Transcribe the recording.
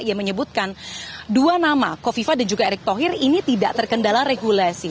ia menyebutkan dua nama kofifa dan juga erick thohir ini tidak terkendala regulasi